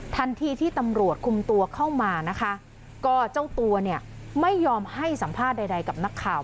ทันทีที่ตำรวจคุมตัวเข้ามานะคะก็เจ้าตัวเนี่ยไม่ยอมให้สัมภาษณ์ใดกับนักข่าว